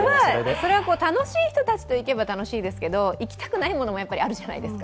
それは楽しい人たちと行けば楽しいですけれども、行きたくないものもあるじゃないですか。